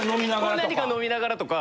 何か飲みながらとか？